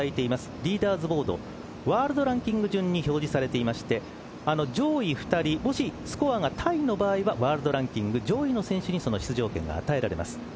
リーダーズボード、ワールドランキング順に表示されていまして上位２人もしスコアがタイの場合はワールドランキング上位の選手に出場権が与えられます。